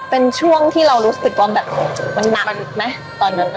เป็นช่วงที่เรารู้สึกว่าแบบมันหนักไหมตอนนั้น